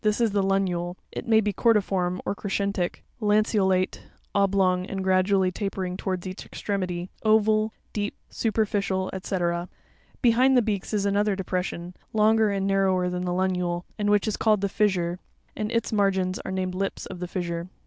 This is the lunule (fig. 118, 1): it may be cerdi form, or crescentic, lanceolate (oblong, and gradually tapering towards each extremity), oval, deep, superficial, &c. Behind the beaks is another depression, longer and narrower than the funule, and which is called the fissure (f}, and its margins are named lips of the fissure (Uf).